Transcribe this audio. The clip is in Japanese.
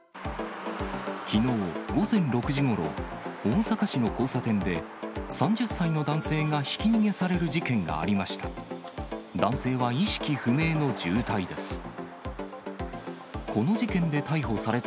きのう午前６時ごろ、大阪市の交差点で、３０歳の男性がひき逃げされる事件がありました。